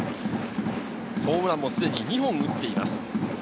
ホームランもすでに２本を打っています。